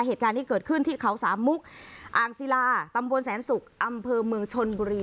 เหตุการณ์นี้เกิดขึ้นที่เขาสามมุกอ่างศิลาตำบลแสนศุกร์อำเภอเมืองชนบุรี